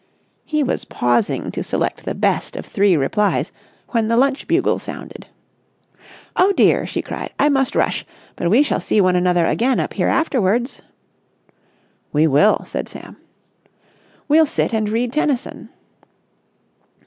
He was pausing to select the best of three replies when the lunch bugle sounded. "Oh dear!" she cried. "I must rush. But we shall see one another again up here afterwards?" "We will," said Sam. "We'll sit and read Tennyson."